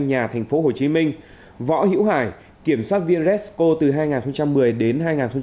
nhà thành phố hồ chí minh võ hữu hải kiểm soát viên redscore từ hai nghìn một mươi đến hai nghìn một mươi sáu